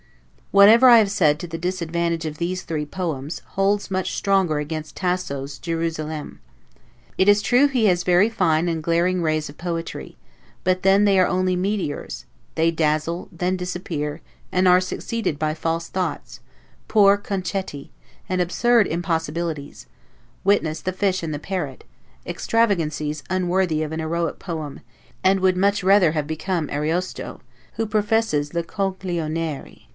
'Whatever I have said to the disadvantage of these three poems, holds much stronger against Tasso's 'Gierusalemme': it is true he has very fine and glaring rays of poetry; but then they are only meteors, they dazzle, then disappear, and are succeeded by false thoughts, poor 'concetti', and absurd impossibilities; witness the Fish and the Parrot; extravagancies unworthy of an heroic poem, and would much better have become Ariosto, who professes 'le coglionerie'.